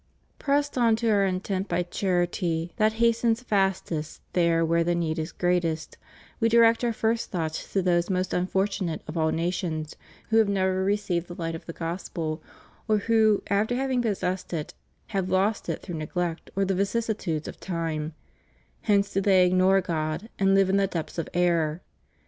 306 Pressed on to Our intent by charity, that hastens fastest there where the need is greatest, We direct Our first thoughts to those most unfortunate of all nations who have never received the light of the Gospel, or who, after having possessed it, have lost it through neglect or the vicissitudes of time: hence do they ignore God, and live in the depths of error.